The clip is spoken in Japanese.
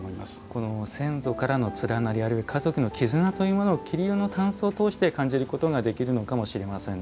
この先祖からの連なりあるいは家族の絆というものを桐のたんすを通して感じることができるのかもしれませんね。